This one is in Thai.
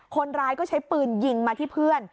คนร้ายก็ใช้ปืนยิงมาที่เพื่อน